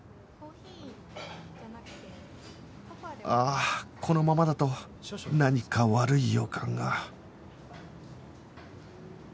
あこのままだと何か悪い予感が